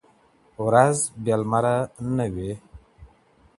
ورځ بې لمره نه وي.